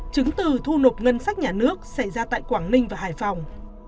chứng từ thu nộp ngân sách nhà nước xảy ra tại quảng ninh và hải phòng